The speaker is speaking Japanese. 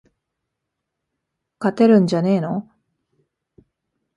勝てるんじゃねーの